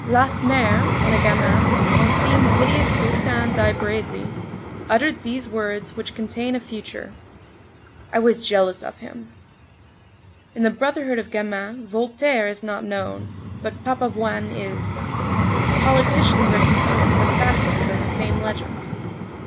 Lacenaire, when a gamin, on seeing the hideous Dautin die bravely, uttered these words which contain a future: "I was jealous of him." In the brotherhood of gamins Voltaire is not known, but Papavoine is. "Politicians" are confused with assassins in the same legend.